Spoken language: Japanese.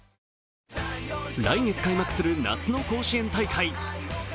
来月開幕する夏の甲子園大会。